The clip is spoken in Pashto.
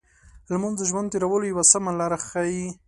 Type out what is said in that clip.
لمونځ د ژوند تېرولو یو سمه لار ښيي.